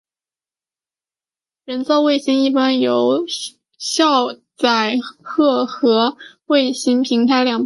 人造卫星一般由有效载荷和卫星平台两部分构成。